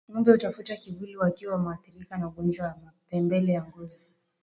Ngombe hutafuta kivuli wakiwa wameathirika na ugonjwa wa mapele ya ngozi